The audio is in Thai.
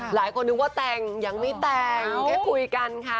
หลายคนนึกว่าแต่งยังไม่แต่งให้คุยกันค่ะ